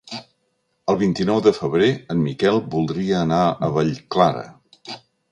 El vint-i-nou de febrer en Miquel voldria anar a Vallclara.